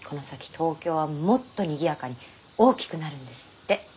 東京はもっとにぎやかに大きくなるんですって。